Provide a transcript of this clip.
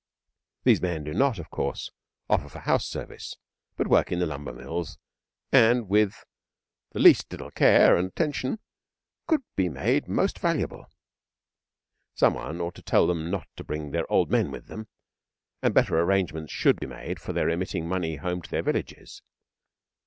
These men do not, of course, offer for house service, but work in the lumber mills, and with the least little care and attention could be made most valuable. Some one ought to tell them not to bring their old men with them, and better arrangements should be made for their remitting money home to their villages.